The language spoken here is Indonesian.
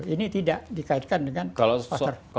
ini tidak dikaitkan dengan pasar